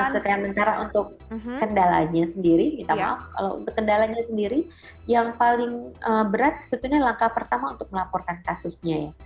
nah setelah mencara untuk kendalanya sendiri yang paling berat sebetulnya langkah pertama untuk melaporkan kasusnya